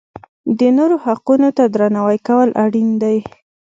د نورو حقونو ته درناوی کول اړین دي.